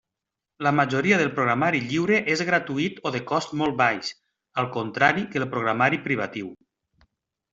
La majoria del programari lliure és gratuït o de cost molt baix, al contrari que el programari privatiu.